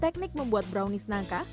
teknik membuat brownies nangka